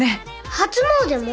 初詣も？